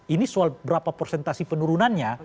ini soal berapa persentasi penurunannya